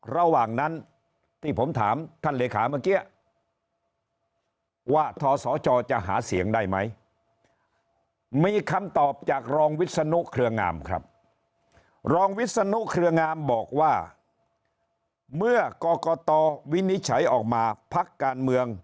ระหว่างนั้น